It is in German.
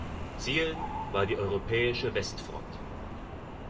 Ziel war die europäische Westfront.